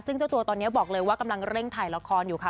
ซึ่งเจ้าตัวตอนนี้บอกเลยว่ากำลังเร่งถ่ายละครอยู่ค่ะ